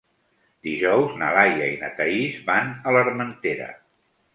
Dijous na Laia i na Thaís van a l'Armentera.